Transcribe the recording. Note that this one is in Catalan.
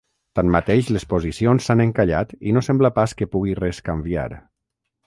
Tanmateix, les posicions s’han encallat i no sembla pas que pugui res canviar.